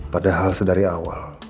padahal sedari awal